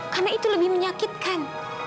karena itu lebih menyakitkan